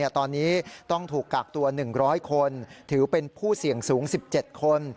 ตอนนี้ต้องถูกกักตัว๑๐๐คนถือเป็นผู้เสี่ยงสูง๑๗คน